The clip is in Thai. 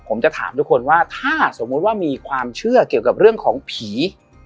ผมจะถามทุกคนว่าถ้าสมมุติว่ามีความเชื่อเกี่ยวกับเรื่องของผี